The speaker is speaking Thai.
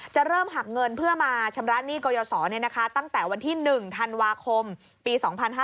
เริ่มหักเงินเพื่อมาชำระหนี้กรยศตั้งแต่วันที่๑ธันวาคมปี๒๕๕๙